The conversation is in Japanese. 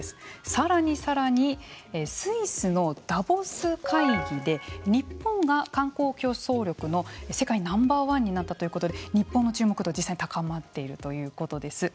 さらにさらにスイスのダボス会議で日本が観光競争力の世界ナンバー１になったということで日本の注目度が実際に高まっているということです。